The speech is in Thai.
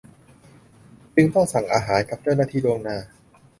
จึงต้องสั่งอาหารกับเจ้าหน้าที่ล่วงหน้า